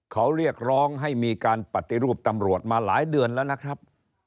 เขาเรียกร้องให้มีการปฏิรูปตำรวจมาหลายเดือนแล้วนะครับ